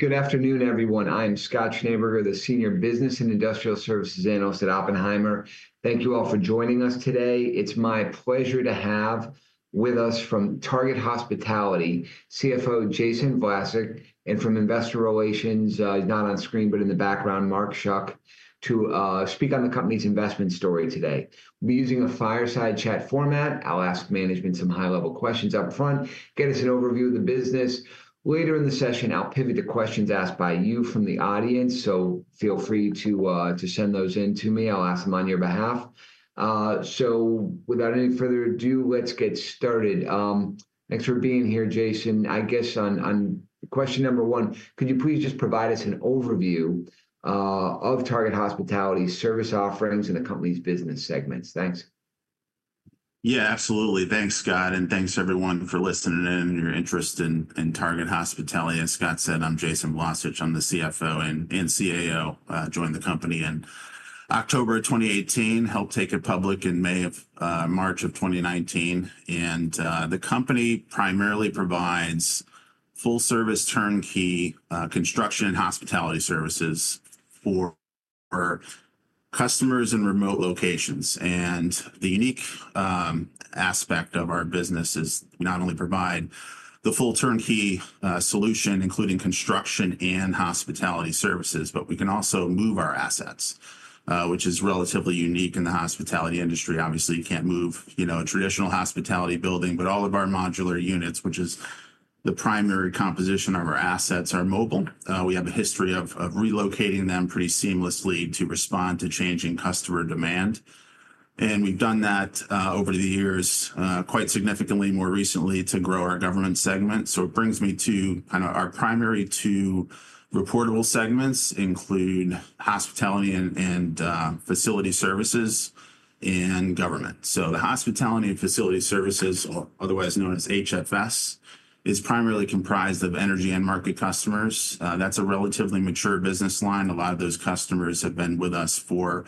Good afternoon, everyone. I'm Scott Schneeberger, the Senior Business and Industrial Services Analyst at Oppenheimer. Thank you all for joining us today. It's my pleasure to have with us from Target Hospitality, CFO Jason Vlacich, and from Investor Relations, not on screen but in the background, Mark Schuck, to speak on the company's investment story today. We'll be using a fireside chat format. I'll ask management some high-level questions up front, get us an overview of the business. Later in the session, I'll pivot to questions asked by you from the audience, so feel free to send those in to me. I'll ask them on your behalf. Without any further ado, let's get started. Thanks for being here, Jason. I guess on question number one, could you please just provide us an overview of Target Hospitality's service offerings and the company's business segments? Thanks. Yeah, absolutely. Thanks, Scott, and thanks, everyone, for listening and your interest in Target Hospitality. As Scott said, I'm Jason Vlacich. I'm the CFO and CAO. I joined the company in October of 2018, helped take it public in March of 2019. The company primarily provides full-service turnkey construction and hospitality services for customers in remote locations. The unique aspect of our business is we not only provide the full turnkey solution, including construction and hospitality services, but we can also move our assets, which is relatively unique in the hospitality industry. Obviously, you can't move a traditional hospitality building, but all of our modular units, which is the primary composition of our assets, are mobile. We have a history of relocating them pretty seamlessly to respond to changing customer demand. We've done that over the years, quite significantly more recently, to grow our government segment. It brings me to kind of our primary two reportable segments include hospitality and facility services, and government. The hospitality and facility services, otherwise known as HFS, is primarily comprised of energy and market customers. That's a relatively mature business line. A lot of those customers have been with us for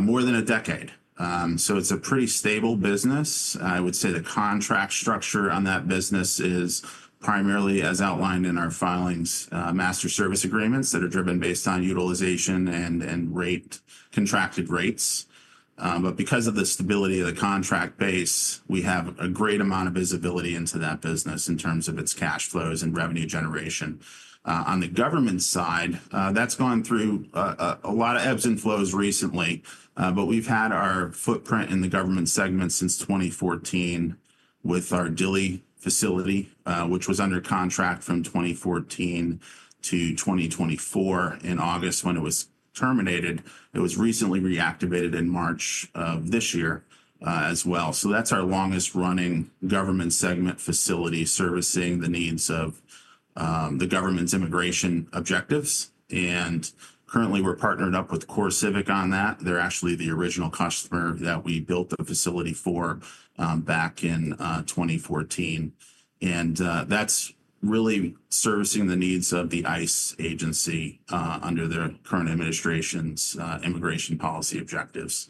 more than a decade. It's a pretty stable business. I would say the contract structure on that business is primarily, as outlined in our filings, master service agreements that are driven based on utilization and contracted rates. Because of the stability of the contract base, we have a great amount of visibility into that business in terms of its cash flows and revenue generation. On the government side, that's gone through a lot of ebbs and flows recently, but we've had our footprint in the government segment since 2014 with our Dilley facility, which was under contract from 2014 to 2024. In August, when it was terminated, it was recently reactivated in March of this year as well. That's our longest-running government segment facility servicing the needs of the government's immigration objectives. Currently, we're partnered up with CoreCivic on that. They're actually the original customer that we built the facility for back in 2014. That's really servicing the needs of the ICE Agency under their current administration's immigration policy objectives.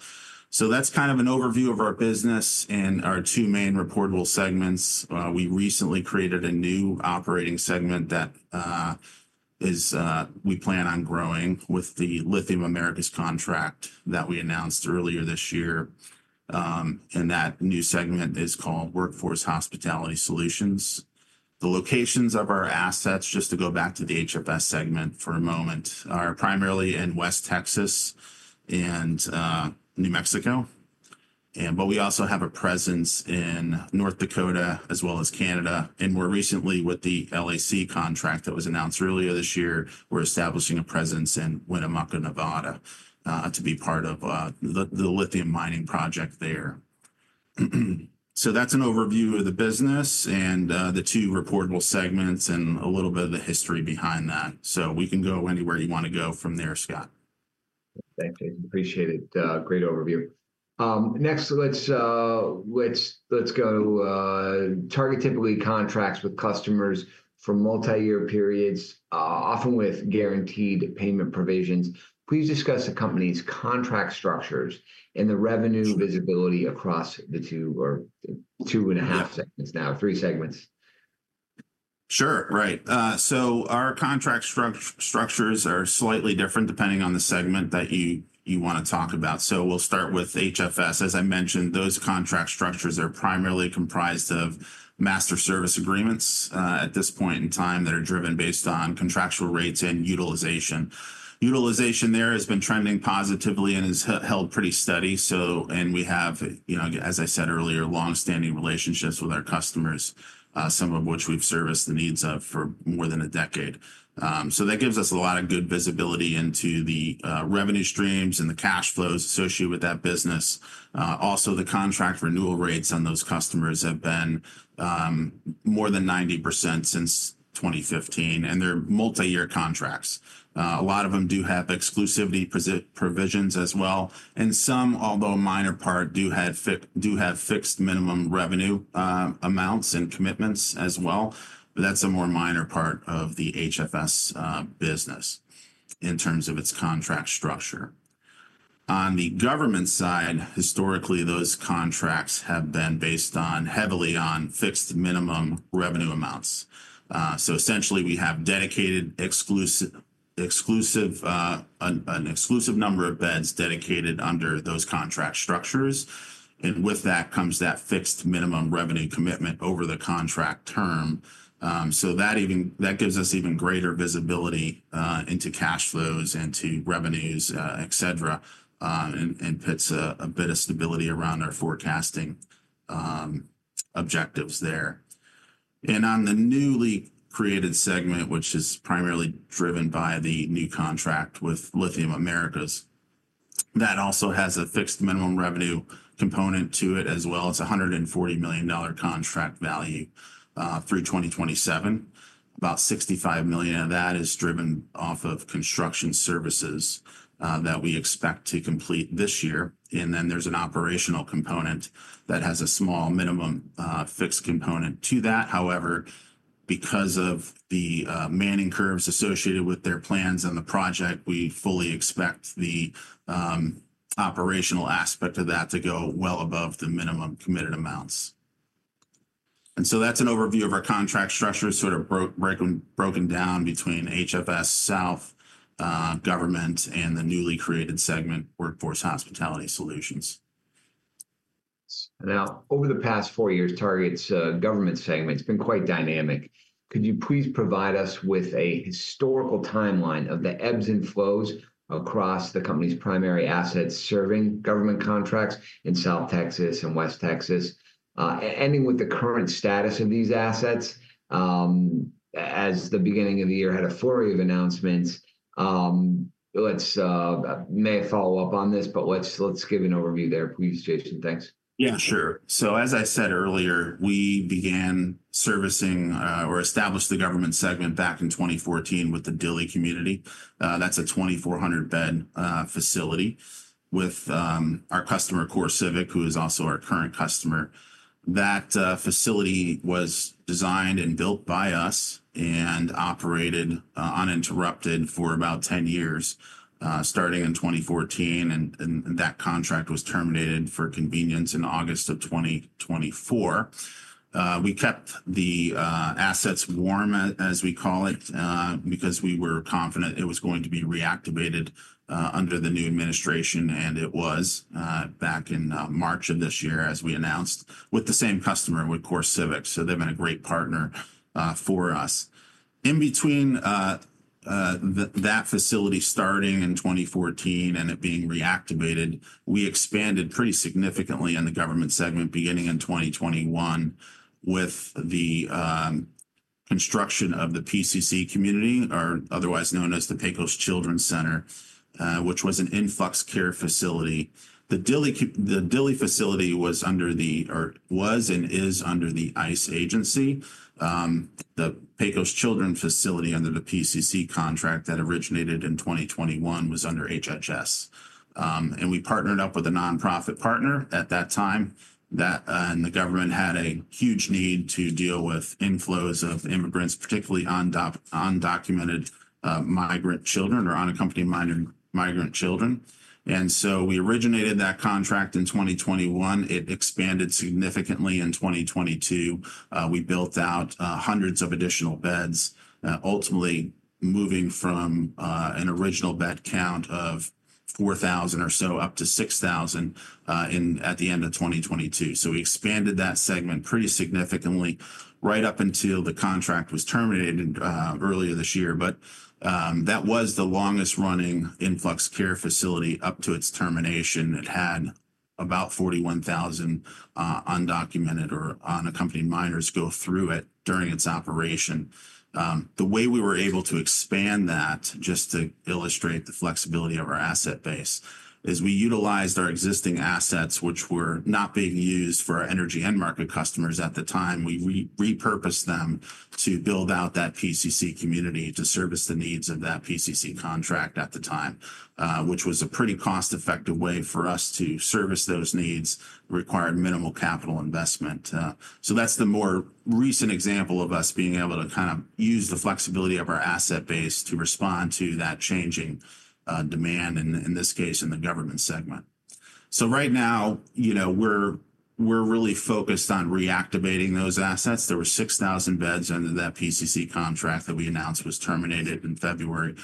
That's kind of an overview of our business and our two main reportable segments. We recently created a new operating segment that we plan on growing with the Lithium Americas contract that we announced earlier this year. That new segment is called Workforce Hospitality Solutions. The locations of our assets, just to go back to the HFS segment for a moment, are primarily in West Texas and New Mexico. We also have a presence in North Dakota as well as Canada. More recently, with the LAC contract that was announced earlier this year, we're establishing a presence in Winnemucca, Nevada, to be part of the Lithium Mining project there. That is an overview of the business and the two reportable segments and a little bit of the history behind that. We can go anywhere you want to go from there, Scott. Thank you. Appreciate it. Great overview. Next, let's go to Target typically contracts with customers for multi-year periods, often with guaranteed payment provisions. Please discuss the company's contract structures and the revenue visibility across the two or two and a half segments now, three segments. Sure, right. Our contract structures are slightly different depending on the segment that you want to talk about. We'll start with HFS. As I mentioned, those contract structures are primarily comprised of master service agreements at this point in time that are driven based on contractual rates and utilization. Utilization there has been trending positively and is held pretty steady. We have, as I said earlier, long-standing relationships with our customers, some of which we've serviced the needs of for more than a decade. That gives us a lot of good visibility into the revenue streams and the cash flows associated with that business. Also, the contract renewal rates on those customers have been more than 90% since 2015, and they're multi-year contracts. A lot of them do have exclusivity provisions as well. Some, although a minor part, do have fixed minimum revenue amounts and commitments as well. That is a more minor part of the HFS business in terms of its contract structure. On the government side, historically, those contracts have been based heavily on fixed minimum revenue amounts. Essentially, we have an exclusive number of beds dedicated under those contract structures. With that comes that fixed minimum revenue commitment over the contract term. That gives us even greater visibility into cash flows and to revenues, et cetera, and puts a bit of stability around our forecasting objectives there. On the newly created segment, which is primarily driven by the new contract with Lithium Americas, that also has a fixed minimum revenue component to it as well. It is a $140 million contract value through 2027. About $65 million of that is driven off of construction services that we expect to complete this year. There is an operational component that has a small minimum fixed component to that. However, because of the manning curves associated with their plans and the project, we fully expect the operational aspect of that to go well above the minimum committed amounts. That is an overview of our contract structure, sort of broken down between HFS South, government, and the newly created segment, Workforce Hospitality Solutions. Now, over the past four years, Target's government segment has been quite dynamic. Could you please provide us with a historical timeline of the ebbs and flows across the company's primary assets serving government contracts in South Texas and West Texas, ending with the current status of these assets? As the beginning of the year had a flurry of announcements, may I follow up on this, but let's give an overview there, please, Jason. Thanks. Yeah, sure. As I said earlier, we began servicing or established the government segment back in 2014 with the Dilley community. That is a 2,400-bed facility with our customer, CoreCivic, who is also our current customer. That facility was designed and built by us and operated uninterrupted for about 10 years, starting in 2014. That contract was terminated for convenience in August of 2024. We kept the assets warm, as we call it, because we were confident it was going to be reactivated under the new administration, and it was back in March of this year, as we announced, with the same customer, with CoreCivic. They have been a great partner for us. In between that facility starting in 2014 and it being reactivated, we expanded pretty significantly in the government segment beginning in 2021 with the construction of the PCC community, or otherwise known as the Pecos Children's Center, which was an influx care facility. The Dilley facility was under the, or was and is under the ICE Agency. The Pecos Children's Facility, under the PCC contract that originated in 2021, was under HHS. We partnered up with a nonprofit partner at that time, and the government had a huge need to deal with inflows of immigrants, particularly undocumented migrant children or unaccompanied migrant children. We originated that contract in 2021. It expanded significantly in 2022. We built out hundreds of additional beds, ultimately moving from an original bed count of 4,000 or so up to 6,000 at the end of 2022. We expanded that segment pretty significantly right up until the contract was terminated earlier this year. That was the longest-running influx care facility up to its termination. It had about 41,000 undocumented or unaccompanied minors go through it during its operation. The way we were able to expand that, just to illustrate the flexibility of our asset base, is we utilized our existing assets, which were not being used for our energy and market customers at the time. We repurposed them to build out that PCC community to service the needs of that PCC contract at the time, which was a pretty cost-effective way for us to service those needs, required minimal capital investment. That is the more recent example of us being able to kind of use the flexibility of our asset base to respond to that changing demand, in this case, in the government segment. Right now, we're really focused on reactivating those assets. There were 6,000 beds under that PCC contract that we announced was terminated in February.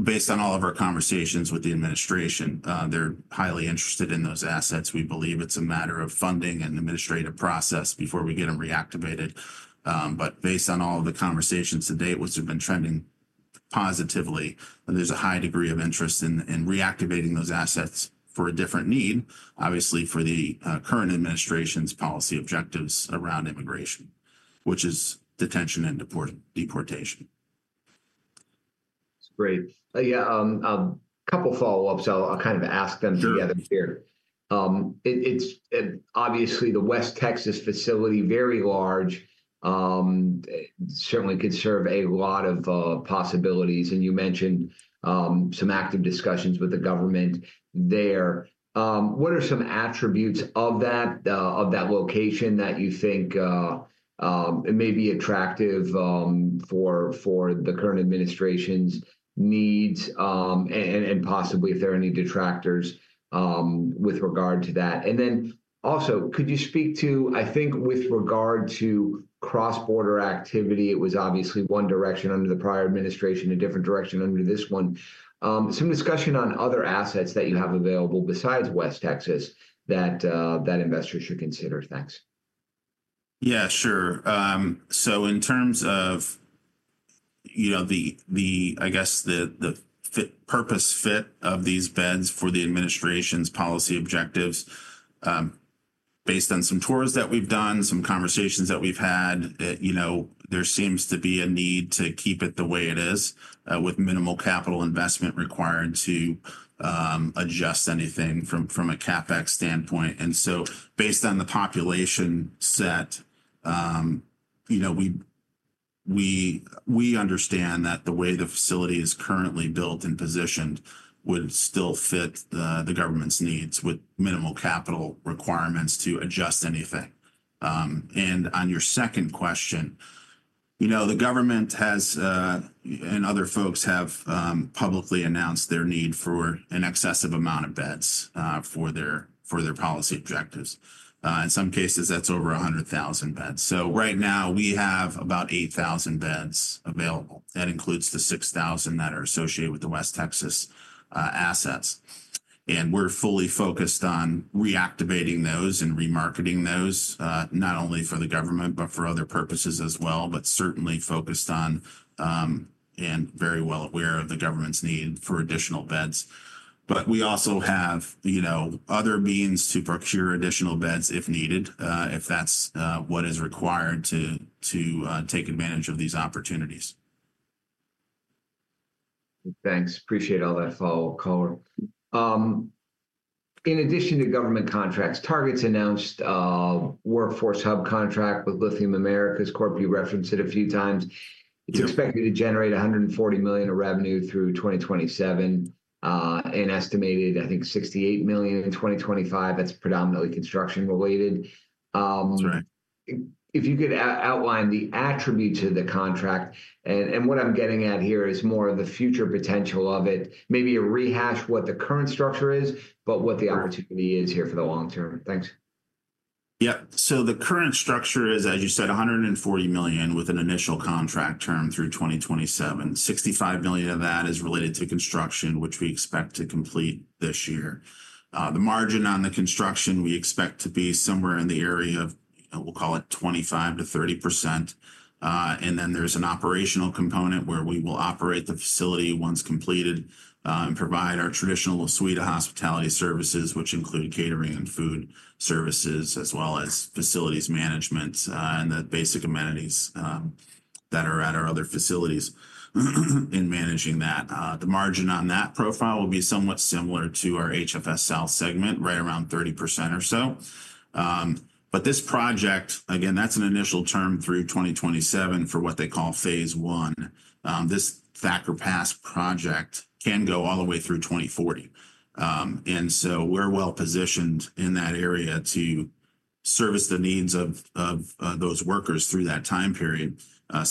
Based on all of our conversations with the administration, they're highly interested in those assets. We believe it's a matter of funding and administrative process before we get them reactivated. Based on all of the conversations to date, which have been trending positively, there's a high degree of interest in reactivating those assets for a different need, obviously, for the current administration's policy objectives around immigration, which is detention and deportation. That's great. Yeah, a couple of follow-ups. I'll kind of ask them together here. Obviously, the West Texas facility, very large, certainly could serve a lot of possibilities. You mentioned some active discussions with the government there. What are some attributes of that location that you think may be attractive for the current administration's needs, and possibly, if there are any detractors, with regard to that? Also, could you speak to, I think, with regard to cross-border activity? It was obviously one direction under the prior administration, a different direction under this one. Some discussion on other assets that you have available besides West Texas that investors should consider. Thanks. Yeah, sure. In terms of the, I guess, the purpose fit of these beds for the administration's policy objectives, based on some tours that we've done, some conversations that we've had, there seems to be a need to keep it the way it is, with minimal capital investment required to adjust anything from a CapEx standpoint. Based on the population set, we understand that the way the facility is currently built and positioned would still fit the government's needs with minimal capital requirements to adjust anything. On your second question, the government and other folks have publicly announced their need for an excessive amount of beds for their policy objectives. In some cases, that's over 100,000 beds. Right now, we have about 8,000 beds available. That includes the 6,000 that are associated with the West Texas assets. We are fully focused on reactivating those and remarketing those, not only for the government, but for other purposes as well, certainly focused on and very well aware of the government's need for additional beds. We also have other means to procure additional beds if needed, if that is what is required to take advantage of these opportunities. Thanks. Appreciate all that follow on color. In addition to government contracts, Target's announced a workforce hub contract with Lithium Americas Corp, you referenced it a few times. It's expected to generate $140 million of revenue through 2027 and estimated, I think, $68 million in 2025. That's predominantly construction-related. If you could outline the attributes of the contract, and what I'm getting at here is more of the future potential of it, maybe a rehash of what the current structure is, but what the opportunity is here for the long term. Thanks. Yep. The current structure is, as you said, $140 million with an initial contract term through 2027. $65 million of that is related to construction, which we expect to complete this year. The margin on the construction, we expect to be somewhere in the area of, we'll call it 25%-30%. There is an operational component where we will operate the facility once completed and provide our traditional suite of hospitality services, which include catering and food services, as well as facilities management and the basic amenities that are at our other facilities, in managing that. The margin on that profile will be somewhat similar to our HFS South segment, right around 30% or so. This project, again, that's an initial term through 2027 for what they call phase I. This Thacker Pass project can go all the way through 2040. We are well-positioned in that area to service the needs of those workers through that time period.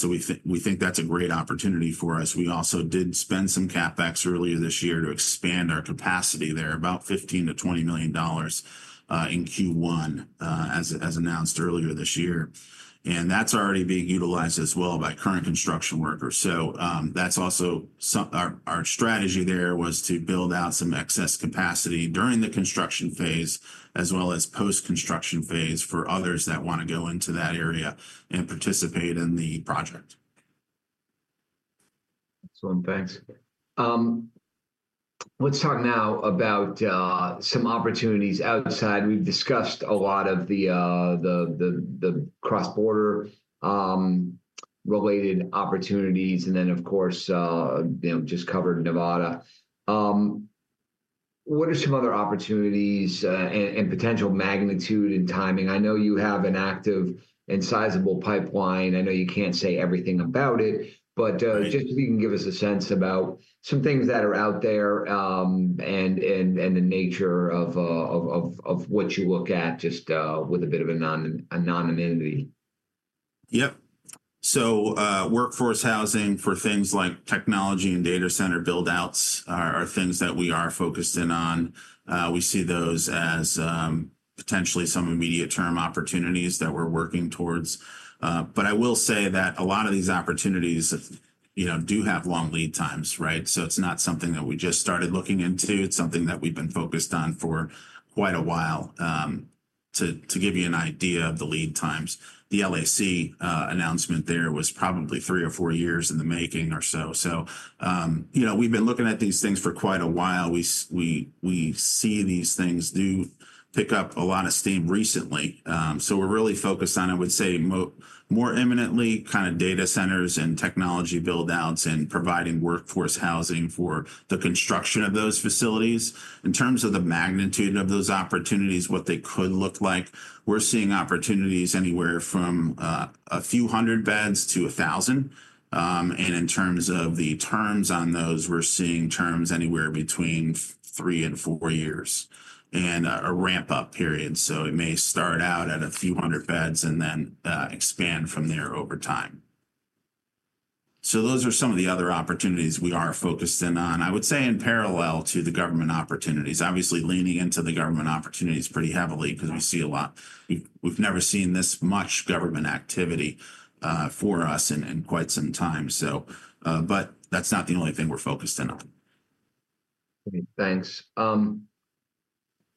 We think that is a great opportunity for us. We also did spend some CapEx earlier this year to expand our capacity there, about $15-$20 million in Q1, as announced earlier this year. That is already being utilized as well by current construction workers. Our strategy there was to build out some excess capacity during the construction phase, as well as post-construction phase for others that want to go into that area and participate in the project. Excellent. Thanks. Let's talk now about some opportunities outside. We've discussed a lot of the cross-border-related opportunities. Of course, just covered Nevada. What are some other opportunities and potential magnitude and timing? I know you have an active and sizable pipeline. I know you can't say everything about it, but just if you can give us a sense about some things that are out there and the nature of what you look at, just with a bit of anonymity. Yep. Workforce housing for things like technology and data center buildouts are things that we are focused in on. We see those as potentially some immediate-term opportunities that we're working towards. I will say that a lot of these opportunities do have long lead times, right? It's not something that we just started looking into. It's something that we've been focused on for quite a while. To give you an idea of the lead times, the LAC announcement there was probably three or four years in the making, or so. We've been looking at these things for quite a while. We see these things do pick up a lot of steam recently. We're really focused on, I would say, more imminently kind of data centers and technology buildouts, and providing workforce housing for the construction of those facilities. In terms of the magnitude of those opportunities, what they could look like, we're seeing opportunities anywhere from a few hundred beds to 1,000. In terms of the terms on those, we're seeing terms anywhere between three and four years and a ramp-up period. It may start out at a few hundred beds and then expand from there over time. Those are some of the other opportunities we are focused in on, I would say, in parallel to the government opportunities. Obviously, leaning into the government opportunities pretty heavily because we see a lot. We've never seen this much government activity for us in quite some time. That is not the only thing we're focused in on. Thanks.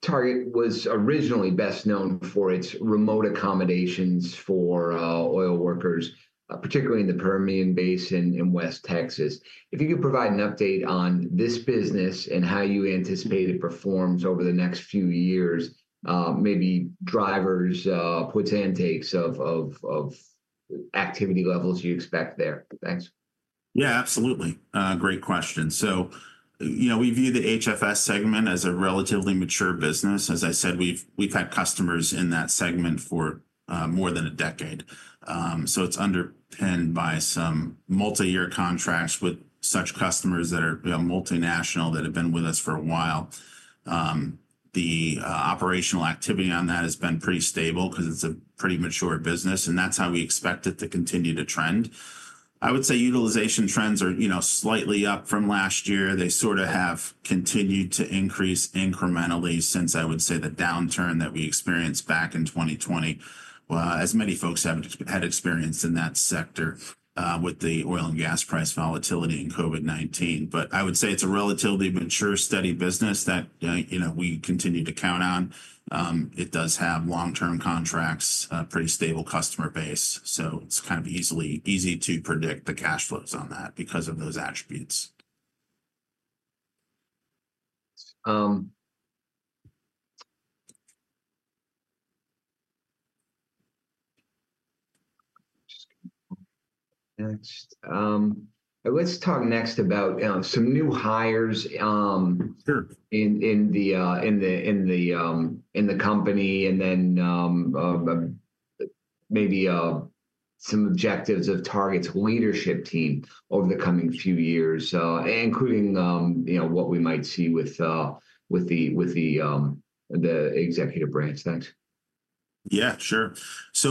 Target was originally best known for its remote accommodations for oil workers, particularly in the Permian Basin in West Texas. If you could provide an update on this business and how you anticipate it performs over the next few years, maybe drivers, what's intake of activity levels you expect there. Thanks. Yeah, absolutely. Great question. We view the HFS segment as a relatively mature business. As I said, we've had customers in that segment for more than a decade. It is underpinned by some multi-year contracts with such customers that are multinational that have been with us for a while. The operational activity on that has been pretty stable because it is a pretty mature business, and that is how we expect it to continue to trend. I would say utilization trends are slightly up from last year. They sort of have continued to increase incrementally since, I would say, the downturn that we experienced back in 2020, as many folks had experienced in that sector with the oil and gas price volatility and COVID-19. I would say it is a relatively mature, steady business that we continue to count on. It does have long-term contracts, pretty stable customer base. It's kind of easy to predict the cash flows on that because of those attributes. Next. Let's talk next about some new hires in the company and then maybe some objectives of Target's leadership team over the coming few years, including what we might see with the executive branch. Thanks. Yeah, sure.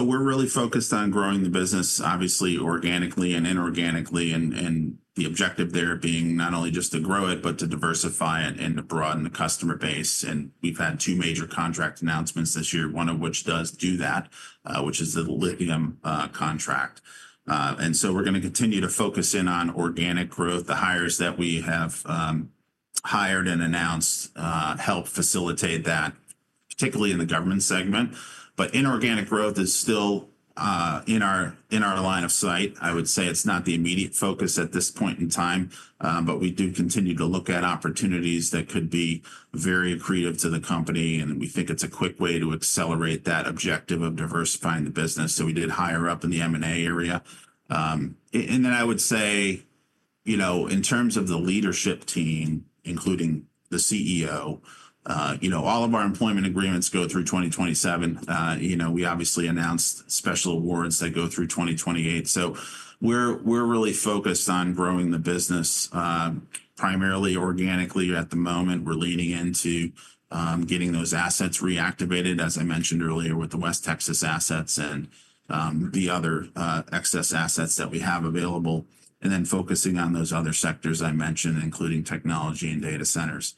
We're really focused on growing the business, obviously, organically and inorganically, and the objective there being not only just to grow it, but to diversify it and to broaden the customer base. We've had two major contract announcements this year, one of which does do that, which is the Lithium contract. We're going to continue to focus in on organic growth. The hires that we have hired and announced help facilitate that, particularly in the government segment. Inorganic growth is still in our line of sight. I would say it's not the immediate focus at this point in time, but we do continue to look at opportunities that could be very accretive to the company. We think it's a quick way to accelerate that objective of diversifying the business. We did hire up in the M&A area. I would say, in terms of the leadership team, including the CEO, all of our employment agreements go through 2027. We obviously announced special awards that go through 2028. We are really focused on growing the business primarily organically at the moment. We are leaning into getting those assets reactivated, as I mentioned earlier, with the West Texas assets and the other excess assets that we have available, and then focusing on those other sectors I mentioned, including technology and data centers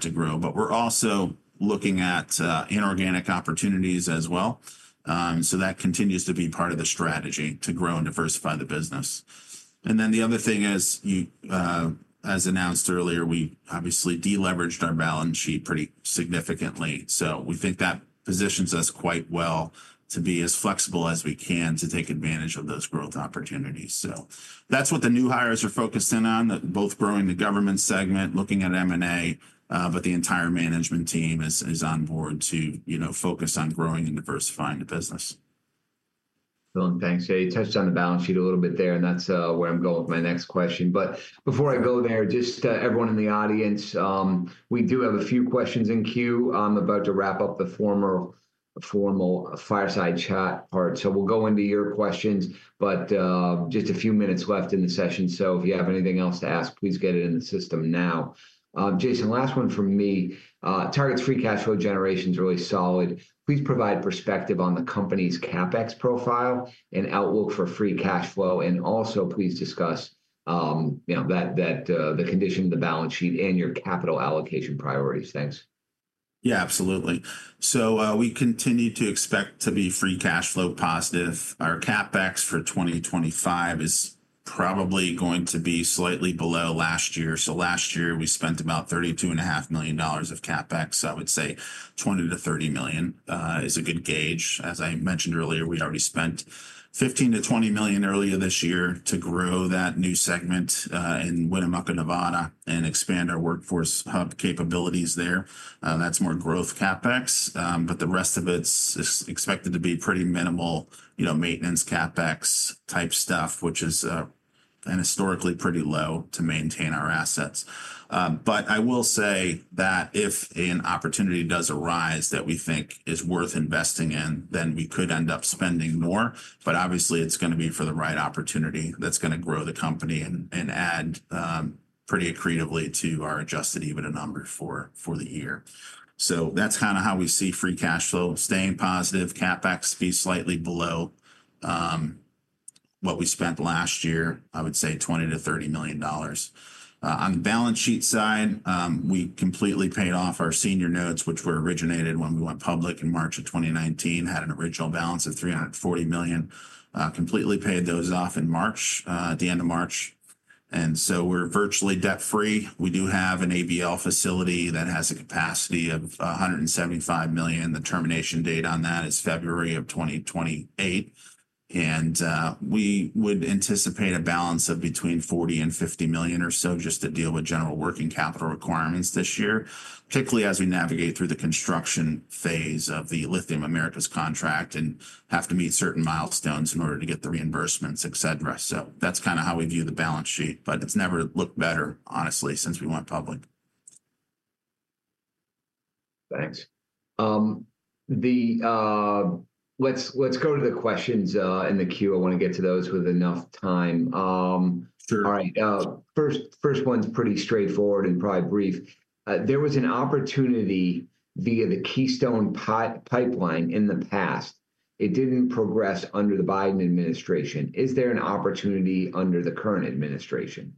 to grow. We are also looking at inorganic opportunities as well. That continues to be part of the strategy to grow and diversify the business. The other thing is, as announced earlier, we obviously deleveraged our balance sheet pretty significantly. We think that positions us quite well to be as flexible as we can to take advantage of those growth opportunities. That's what the new hires are focused in on, both growing the government segment, looking at M&A, but the entire management team is on board to focus on growing and diversifying the business. Excellent. Thanks. Yeah, you touched on the balance sheet a little bit there, and that's where I'm going with my next question. Before I go there, just everyone in the audience, we do have a few questions in queue. I'm about to wrap up the formal fireside chat part. We'll go into your questions, but just a few minutes left in the session. If you have anything else to ask, please get it in the system now. Jason, last one from me. Target's free cash flow generation is really solid. Please provide perspective on the company's CapEx profile and outlook for free cash flow. Also, please discuss the condition of the balance sheet and your capital allocation priorities. Thanks. Yeah, absolutely. We continue to expect to be free cash flow positive. Our CapEx for 2025 is probably going to be slightly below last year. Last year, we spent about $32.5 million of CapEx. I would say $20-$30 million is a good gauge. As I mentioned earlier, we already spent $15-$20 million earlier this year to grow that new segment in Winnemucca, Nevada, and expand our workforce hub capabilities there. That is more growth CapEx. The rest of it is expected to be pretty minimal maintenance CapEx type stuff, which is historically pretty low to maintain our assets. I will say that if an opportunity does arise that we think is worth investing in, then we could end up spending more. Obviously, it's going to be for the right opportunity that's going to grow the company and add pretty accretively to our adjusted EBITDA number for the year. That's kind of how we see free cash flow staying positive. CapEx will be slightly below what we spent last year, I would say $20-$30 million. On the balance sheet side, we completely paid off our senior notes, which were originated when we went public in March of 2019, had an original balance of $340 million, completely paid those off at the end of March. We're virtually debt-free. We do have an ABL facility that has a capacity of $175 million. The termination date on that is February of 2028. We would anticipate a balance of between $40 million and $50 million or so just to deal with general working capital requirements this year, particularly as we navigate through the construction phase of the Lithium Americas contract and have to meet certain milestones in order to get the reimbursements, etc. That is kind of how we view the balance sheet. It has never looked better, honestly, since we went public. Thanks. Let's go to the questions in the queue. I want to get to those with enough time. Sure. All right. First one's pretty straightforward and probably brief. There was an opportunity via the Keystone pipeline in the past. It didn't progress under the Biden administration. Is there an opportunity under the current administration?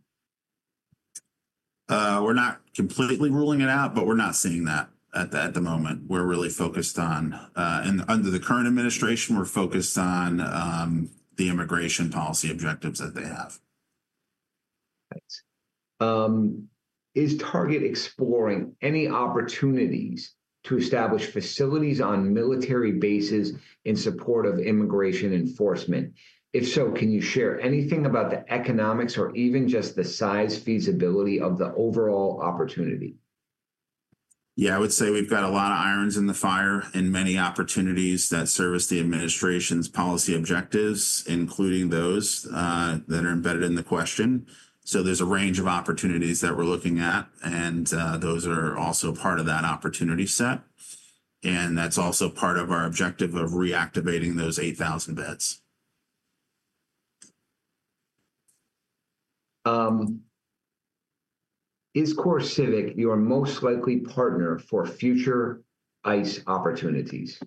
We're not completely ruling it out, but we're not seeing that at the moment. We're really focused on, under the current administration, we're focused on the immigration policy objectives that they have. Thanks. Is Target exploring any opportunities to establish facilities on military bases in support of immigration enforcement? If so, can you share anything about the economics or even just the size feasibility of the overall opportunity? Yeah, I would say we've got a lot of irons in the fire and many opportunities that service the administration's policy objectives, including those that are embedded in the question. There is a range of opportunities that we're looking at, and those are also part of that opportunity set. That's also part of our objective of reactivating those 8,000 beds. Is CoreCivic your most likely partner for future ICE opportunities?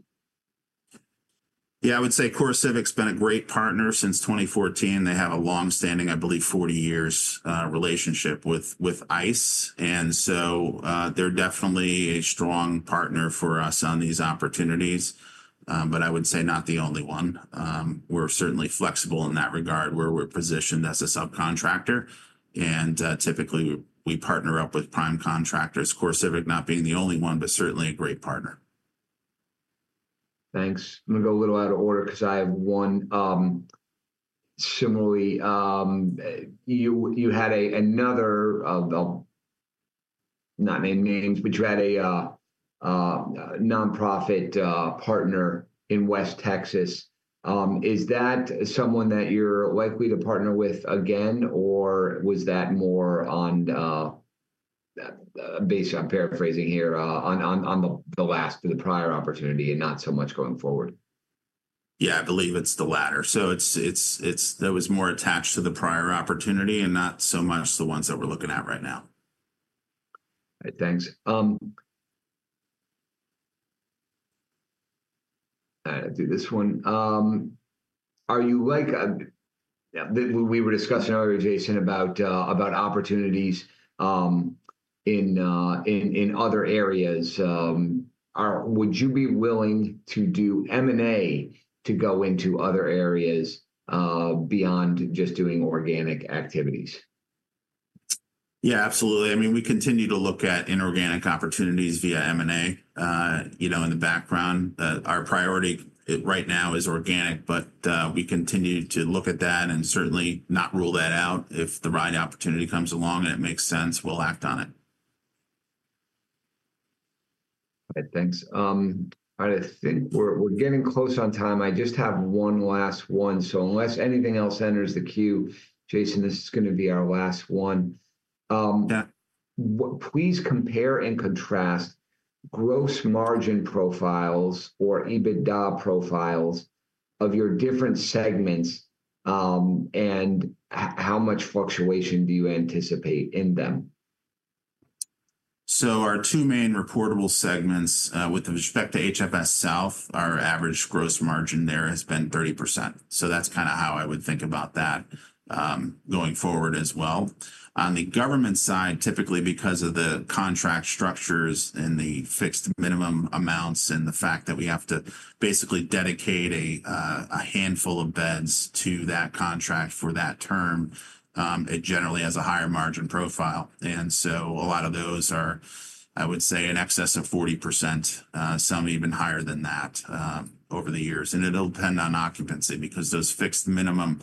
Yeah, I would say CoreCivic's been a great partner since 2014. They have a long-standing, I believe, 40-year relationship with ICE. They're definitely a strong partner for us on these opportunities. I would say not the only one. We're certainly flexible in that regard, where we're positioned as a subcontractor. Typically, we partner up with prime contractors, CoreCivic not being the only one, but certainly a great partner. Thanks. I'm going to go a little out of order because I have one. Similarly, you had another, not named names, but you had a nonprofit partner in West Texas. Is that someone that you're likely to partner with again, or was that more based on paraphrasing here on the prior opportunity, and not so much going forward? Yeah, I believe it's the latter. It was more attached to the prior opportunity and not so much the ones that we're looking at right now. Thanks. I do this one. We were discussing earlier, Jason, about opportunities in other areas. Would you be willing to do M&A to go into other areas beyond just doing organic activities? Yeah, absolutely. I mean, we continue to look at inorganic opportunities via M&A in the background. Our priority right now is organic, but we continue to look at that and certainly not rule that out. If the right opportunity comes along and it makes sense, we'll act on it. Thanks. All right. I think we're getting close on time. I just have one last one. Unless anything else enters the queue, Jason, this is going to be our last one. Please compare and contrast gross margin profiles or EBITDA profiles of your different segments, and how much fluctuation do you anticipate in them? Our two main reportable segments with respect to HFS South, our average gross margin there has been 30%. That is kind of how I would think about that going forward as well. On the government side, typically because of the contract structures and the fixed minimum amounts and the fact that we have to basically dedicate a handful of beds to that contract for that term, it generally has a higher margin profile. A lot of those are, I would say, in excess of 40%, some even higher than that over the years. It will depend on occupancy because those fixed minimum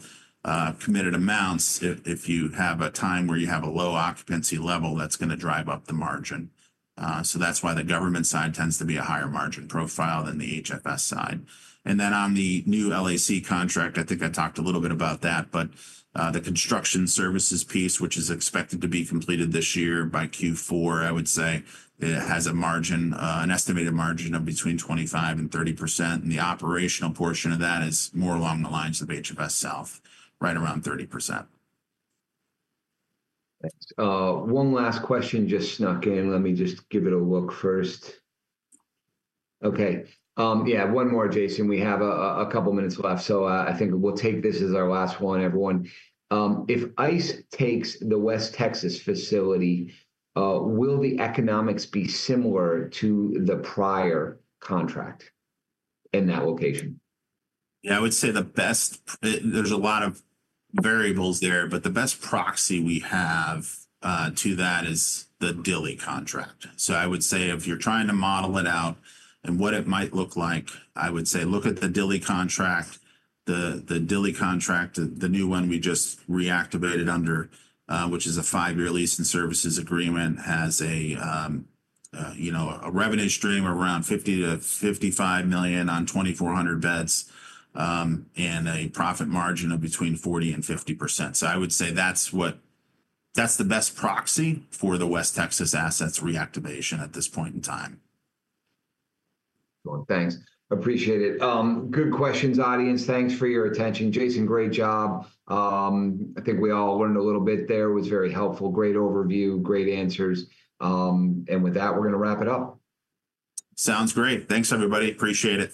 committed amounts, if you have a time where you have a low occupancy level, that is going to drive up the margin. That is why the government side tends to be a higher margin profile than the HFS side. On the new LAC contract, I think I talked a little bit about that, but the construction services piece, which is expected to be completed this year by Q4, I would say it has an estimated margin of between 25%-30%. The operational portion of that is more along the lines of HFS South, right around 30%. Thanks. One last question just snuck in. Let me just give it a look first. Okay. Yeah, one more, Jason. We have a couple of minutes left. I think we'll take this as our last one, everyone. If ICE takes the West Texas facility, will the economics be similar to the prior contract in that location? Yeah, I would say the best, there's a lot of variables there, but the best proxy we have to that is the Dilley contract. I would say if you're trying to model it out and what it might look like, I would say look at the Dilley contract. The Dilley contract, the new one we just reactivated under, which is a five-year lease and services agreement, has a revenue stream of around $50-$55 million on 2,400 beds and a profit margin of between 40%-50%. I would say that's the best proxy for the West Texas assets reactivation at this point in time. Thanks. Appreciate it. Good questions, audience. Thanks for your attention. Jason, great job. I think we all learned a little bit there. It was very helpful. Great overview, great answers. With that, we're going to wrap it up. Sounds great. Thanks, everybody. Appreciate it.